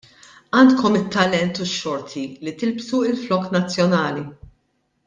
Għandkom it-talent u x-xorti li tilbsu l-flokk nazzjonali.